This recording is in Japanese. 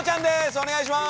お願いします！